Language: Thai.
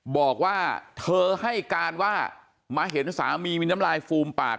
บอกว่าเธอให้การว่ามาเห็นสามีมีน้ำลายฟูมปาก